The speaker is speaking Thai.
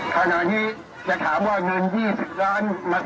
ขณะนี้จะถามว่าเงิน๒๐ล้าน